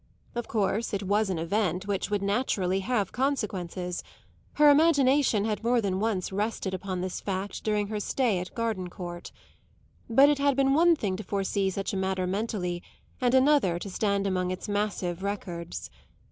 Of course it was an event which would naturally have consequences; her imagination had more than once rested upon this fact during her stay at Gardencourt. But it had been one thing to foresee such a matter mentally and another to stand among its massive records.